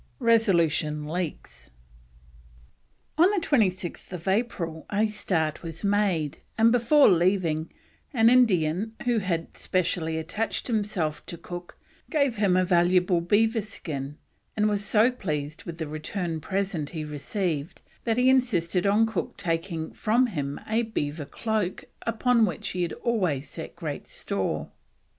RESOLUTION LEAKS. On 26th April a start was made, and before leaving, an Indian, who had specially attached himself to Cook, gave him a valuable beaver skin, and was so pleased with the return present he received that he insisted on Cook taking from him a beaver cloak upon which he had always set great store.